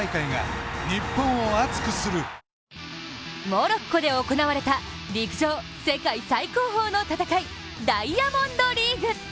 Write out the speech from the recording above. モロッコで行われた陸上世界最高峰の戦い、ダイヤモンドリーグ。